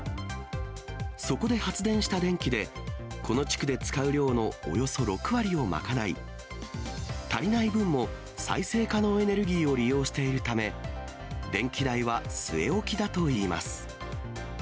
そこで発電した電気で、この地区で使う量のおよそ６割を賄い、足りない分も再生可能エネルギーを利用しているため、電気代は据え置きだといいます。